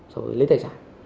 rồi lấy tài sản